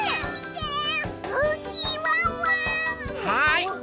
はい。